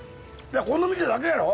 この店だけやろ？